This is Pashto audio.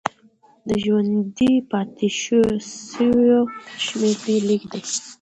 د ژوندي پاتې سویو شمېر ډېر لږ دی.